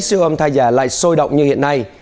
siêu âm thai giả lại sôi động như hiện nay